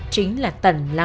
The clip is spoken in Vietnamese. chính là tần láo lở